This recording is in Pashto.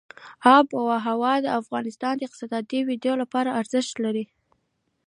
آب وهوا د افغانستان د اقتصادي ودې لپاره ارزښت لري.